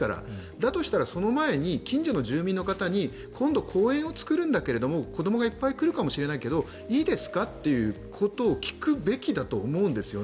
だとしたらその前に近所の住民の方に今度公園を作るんだけれども子どもがいっぱい来るかもしれないけれどもいいですか？ということを聞くべきだと思うんです。